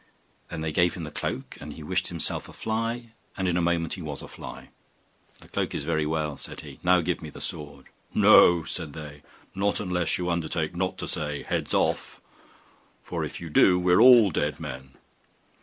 Then they gave him the cloak, and he wished himself a fly, and in a moment he was a fly. 'The cloak is very well,' said he: 'now give me the sword.' 'No,' said they; 'not unless you undertake not to say, "Heads off!" for if you do we are all dead men.